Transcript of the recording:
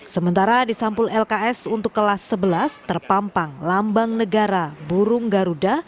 sementara di sampul lks untuk kelas sebelas terpampang lambang negara burung garuda